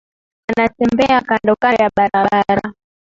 Anatembea kando kando ya barabara